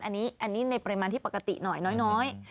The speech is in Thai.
อันนี้ในปริมาณที่ปกติหน่อยน้อย